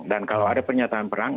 dan kalau ada pernyataan perang